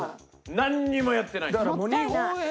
なんにもやってないですよ。